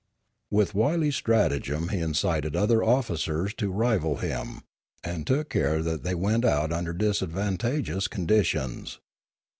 With wily stratagem he incited other officers to rival him, and took care that they went out under disad vantageous conditions.